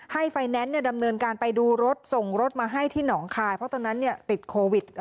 ไฟแนนซ์ดำเนินการไปดูรถส่งรถมาให้ที่หนองคายเพราะตอนนั้นติดโควิด